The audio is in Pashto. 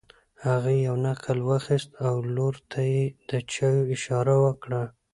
هغې یو نقل واخیست او لور ته یې د چایو اشاره وکړه.